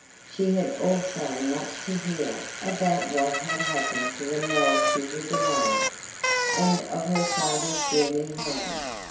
She had also much to hear about what had happened to them while she was away, and of her father's journey home.